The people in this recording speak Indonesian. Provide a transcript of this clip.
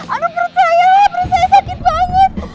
aduh perut saya perut saya sakit banget